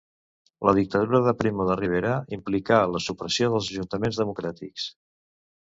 La dictadura de Primo de Rivera implicà la supressió dels ajuntaments democràtics.